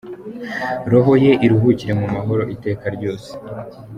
Roho ye iruhukire mu mahoro iteka ryose.”